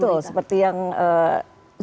ya betul seperti yang ee